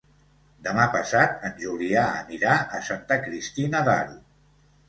Demà passat en Julià anirà a Santa Cristina d'Aro.